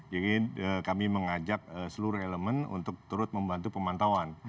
jadi kami mengajak seluruh elemen untuk terus membantu pemantauan